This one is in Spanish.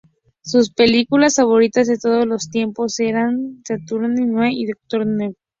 Sus películas favoritas de todos los tiempos eran "Saturday Night Fever" y "Dr. Strangelove".